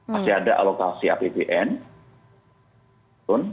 masih ada alokasi apbn